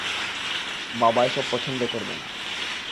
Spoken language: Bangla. বাবা এসব পছন্দ করবে না।